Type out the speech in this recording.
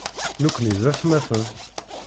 Nekni d atmaten.